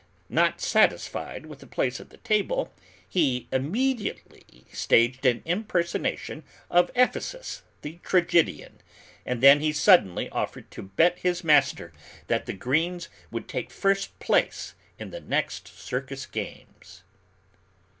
Not satisfied with a place at the table, he immediately staged an impersonation of Ephesus the tragedian, and then he suddenly offered to bet his master that the greens would take first place in the next circus games.